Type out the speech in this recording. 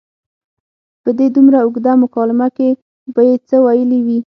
په دې دومره اوږده مکالمه کې به یې څه ویلي وي.